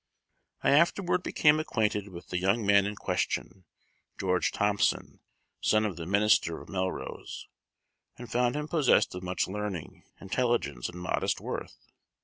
I afterward became acquainted with the young man in question, George Thomson, son of the minister of Melrose, and found him possessed of much learning, intelligence, and modest worth.